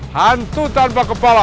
hantu tanpa kepala